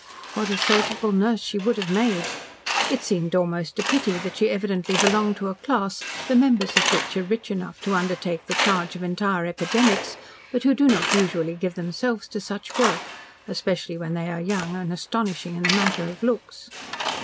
What a surgical nurse she would have made! It seemed almost a pity that she evidently belonged to a class the members of which are rich enough to undertake the charge of entire epidemics, but who do not usually give themselves to such work, especially when they are young and astonishing in the matter of looks.